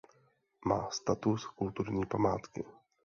Má status kulturní památky.